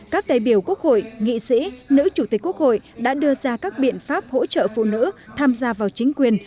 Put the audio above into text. các đại biểu quốc hội nghị sĩ nữ chủ tịch quốc hội đã đưa ra các biện pháp hỗ trợ phụ nữ tham gia vào chính quyền